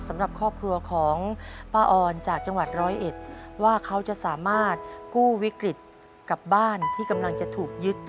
สำหรับครอบครัวของป้าออนจากจังหวัดร้อยเอ็ดว่าเขาจะสามารถกู้วิกฤตกับบ้านที่กำลังจะถูกยึด